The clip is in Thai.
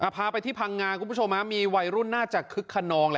พาไปที่พังงาคุณผู้ชมมีวัยรุ่นน่าจะคึกขนองเลย